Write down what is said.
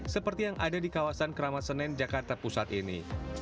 seperti yang ada di kawasan keramasenen jakarta pusat ini